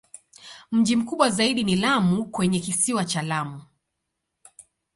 Mji mkubwa zaidi ni Lamu kwenye Kisiwa cha Lamu.